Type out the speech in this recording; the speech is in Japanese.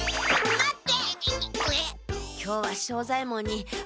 待って！